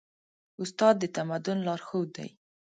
استاد د تمدن لارښود دی.